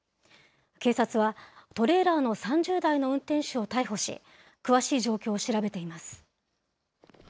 警察はトレーラーの３０代の運転手を逮捕し、詳しい状況を調べています。